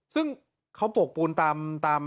ซึ่งเขาปกปูนตาม